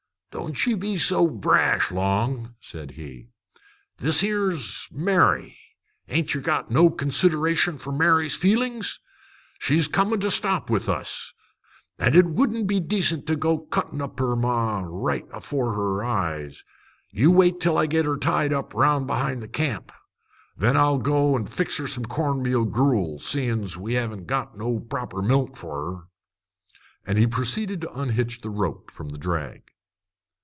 "Don't ye be so brash, Long," said he. "This 'ere's Mary. Hain't yer got no consideration for Mary's feelings? She's comin' to stop with us; an' it wouldn't be decent to go cuttin' up her ma right afore her eyes! You wait till I git her tied up 'round behind the camp. Then I'll go an' fix her some corn meal gruel, seein's we haven't got no proper milk for her." And he proceeded to unhitch the rope from the drag.